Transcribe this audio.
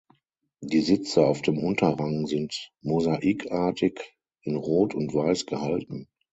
Die Sitze auf dem Unterrang sind mosaikartig in Rot und Weiß gehalten.